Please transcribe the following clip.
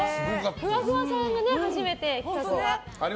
ふわふわさんは初めての企画で。